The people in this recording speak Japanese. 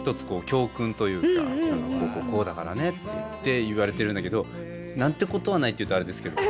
「こうこうこうだからね」って言われてるんだけど何てことはないっていうとあれですけど。